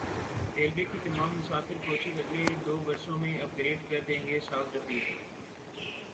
railway کی تمام مسافر کوچز اگلے دو برسوں میں اپ گریڈ کر دیں گے سعد رفیق